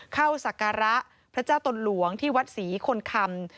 ศักระพระเจ้าตนหลวงที่วัดศรีคนคำ